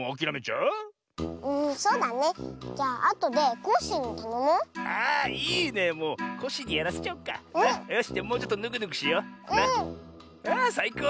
うん！あさいこう！